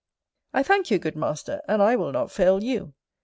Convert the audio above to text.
I thank you, good master, and I will not fail you.